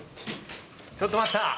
ちょっと待った！